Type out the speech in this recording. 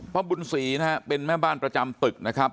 บุญศรีนะฮะเป็นแม่บ้านประจำตึกนะครับ